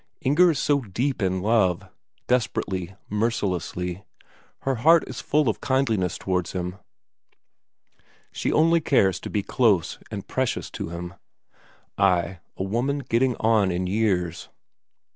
Inger is so deep in love desperately, mercilessly; her heart is full of kindliness towards him, she only cares to be close and precious to him. Ay, a woman getting on in years....